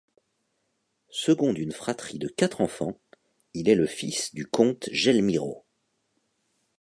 Second d'une fratrie de quatre enfants, il est le fils du comte Gelmiro.